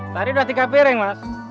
tadi udah tiga piring mas